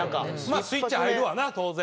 スイッチ入るわな当然。